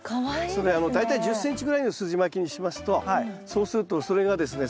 それ大体１０ｃｍぐらいのすじまきにしますとそうするとそれがですね